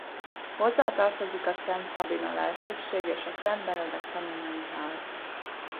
Hozzá tartozik a Szent Szabina lelkészség és Szent Benedek Tanulmányi Ház.